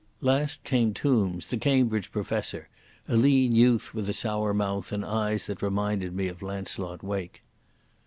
Last came Tombs, the Cambridge professor, a lean youth with a sour mouth and eyes that reminded me of Launcelot Wake.